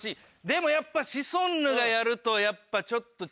でもやっぱシソンヌがやるとやっぱちょっと。